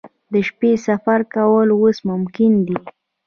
د شپې سفر کول اوس ممکن دي